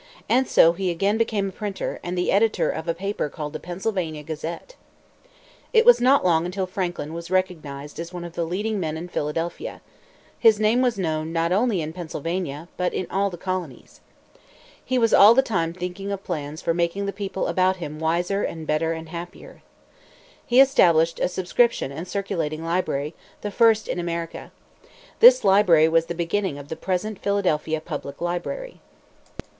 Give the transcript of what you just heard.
And so he again became a printer, and the editor of a paper called the Pennsylvania Gazette. It was not long until Franklin was recognized as one of the leading men in Philadelphia. His name was known, not only in Pennsylvania, but in all the colonies. He was all the time thinking of plans for making the people about him wiser and better and happier. He established a subscription and circulating library, the first in America. This library was the beginning of the present Philadelphia Public Library.